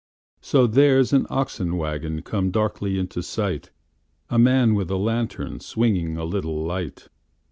So, there's an oxen wagonComes darkly into sight:A man with a lantern, swingingA little light.